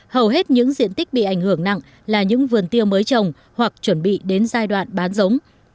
hầu hết những diện tích bị ảnh hưởng nặng là những vườn tiêu mới trồng hoặc chuẩn bị đến giai đoạn bán giống